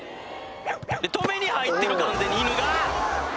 止めに入ってる完全に犬が！